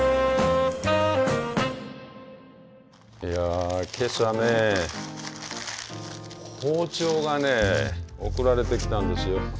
いや今朝ね包丁がね送られてきたんですよ。